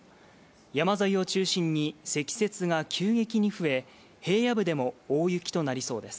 山沿いを中心に積雪が急激に増え平野部でも大雪となりそうです。